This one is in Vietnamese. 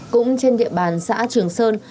cũng trên địa bàn xã trường sơn